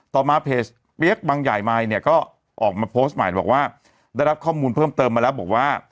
ต่อมาเพจเปี๊ยกบังใหญ่มายเนี่ยก็ออกมาโพสต์ใหม่บอกว่าได้รับข้อมูลเพิ่มเติมมาแล้วบอกว่า